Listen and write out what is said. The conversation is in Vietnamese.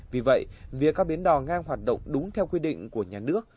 vì vậy việc các bến đò ngang hoạt động đúng theo quy định của nhà nước